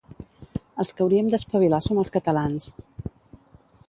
Els que hauríem d'espavilar som els catalans.